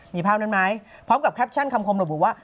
มีภาพนั้นไหมพร้อมกับแคปชั่นคำคมระบุว่า